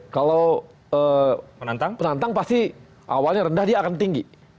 kalau penantang pasti awalnya rendah dia akan tinggi